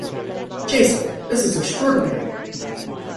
Jason, this is extraordinary!